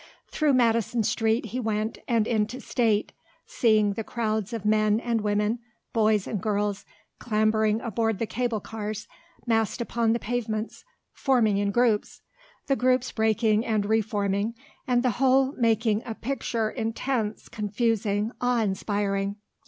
Through Madison Street he went and into State, seeing the crowds of men and women, boys and girls, clambering aboard the cable cars, massed upon the pavements, forming in groups, the groups breaking and reforming, and the whole making a picture intense, confusing, awe inspiring.